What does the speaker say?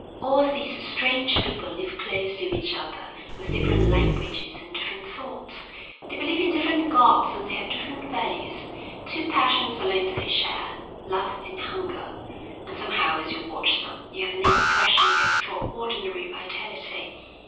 All these strange people live close to each other, with different languages and different thoughts; they believe in different gods and they have different values; two passions alone they share, love and hunger. And somehow as you watch them you have an impression of extraordinary vitality.